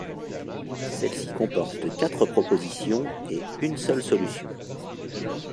Celle-ci comporte quatre propositions et une seule solution.